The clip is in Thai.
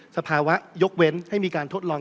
สภาวะยกเว้นให้มีการทดลอง